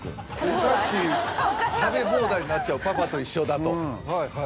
お菓子食べ放題になっちゃうパパと一緒だとはいはいはい。